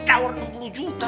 itu namanya bukan tawar